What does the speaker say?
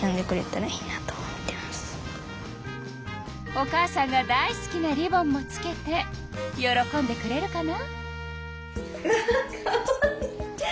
お母さんが大好きなリボンもつけて喜んでくれるかな？